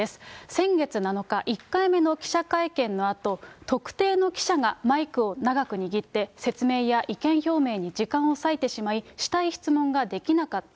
先月７日、１回目の記者会見のあと、特定の記者がマイクを長く握って、説明や意見表明に時間を割いてしまい、したい質問ができなかった。